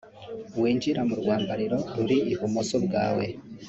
winjira mu rwambariro ruri ibumoso bwawe